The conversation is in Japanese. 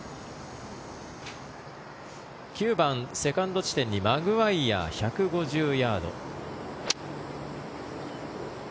９番、セカンド地点にマグワイヤ１５０ヤード。